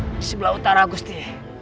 di penjara di sebelah utara gusti